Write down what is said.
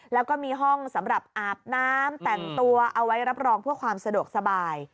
แล้วก็มีห้องสำหรับอาบน้ำแต่งตัวเอาไว้รับรองเพื่อความสะดวกสบาย